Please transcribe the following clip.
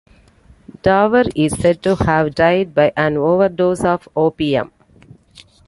Davar is said to have died by an overdose of opium.